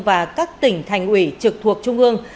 và các tỉnh thành ủy trực thuộc trung ương